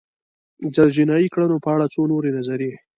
د جنایي کړنو په اړه څو نورې نظریې